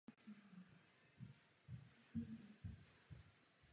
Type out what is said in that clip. Dnes je palác dějištěm mnoha kulturních akcí.